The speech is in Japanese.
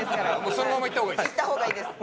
そのままいった方がいいです。